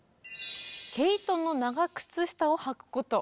「毛糸の長靴下を履くこと」。